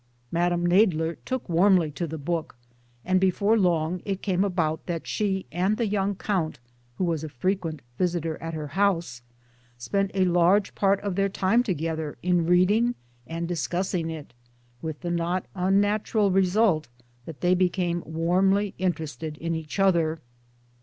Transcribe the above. Madame Nadler took warmly to the book, and before long it came about that she and the young Count, who was a frequent visitor at her house, spent a large part of their time together in reading and discussing it with the not unnatural result that they became warmly interested in each other.